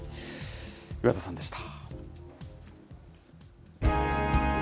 岩田さんでした。